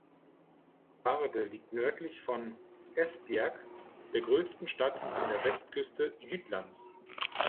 Varde liegt nördlich von Esbjerg, der größten Stadt an der Westküste Jütlands.